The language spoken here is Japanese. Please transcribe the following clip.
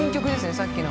さっきの。